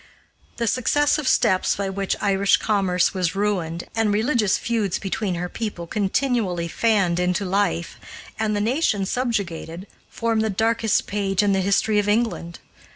The successive steps by which Irish commerce was ruined and religious feuds between her people continually fanned into life, and the nation subjugated, form the darkest page in the history of England.